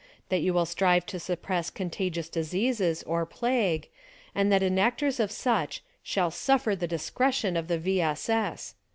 That you will strive to suppress contagious diseases, or plague; and that enactors of such shall suffer the discretion of the V. S. S.